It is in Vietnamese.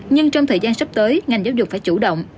nhưng trong thời gian sắp tới ngành giáo dục phải chủ động